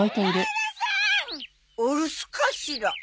お留守かしら？